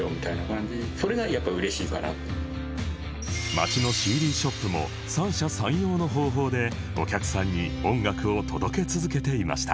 街の ＣＤ ショップも三者三様の方法でお客さんに音楽を届け続けていました